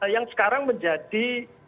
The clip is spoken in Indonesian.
yang sekarang menjadi